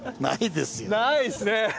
ないですね